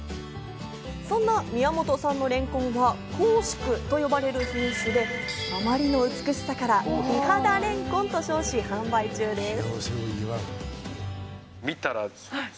そんな宮本さんのれんこんは幸祝といわれている品種で、あまりの美しさから美肌れんこんと称し、販売中です。